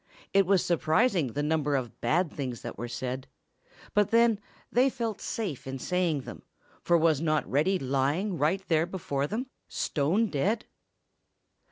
It was surprising the number of bad things that were said. But then, they felt safe in saying them, for was not Reddy lying right there before them, stone dead?